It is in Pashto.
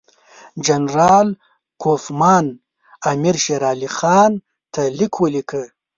جنرال کوفمان امیر شېر علي خان ته لیک ولیکه.